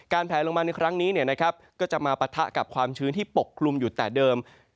แผลลงมาในครั้งนี้ก็จะมาปะทะกับความชื้นที่ปกคลุมอยู่แต่เดิม